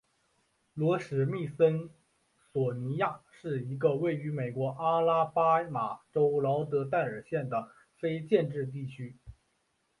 罗史密森索尼亚是一个位于美国阿拉巴马州劳德代尔县的非建制地区。